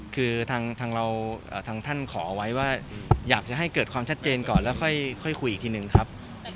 คือทางเราทางท่านขอเอาไว้ว่าอยากจะให้เกิดความชัดเจนก่อนแล้วค่อยคุยอีกทีหนึ่งครับ